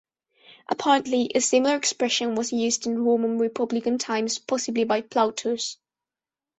Apparently, a similar expression was used in Roman Republican times, possibly by Plautus.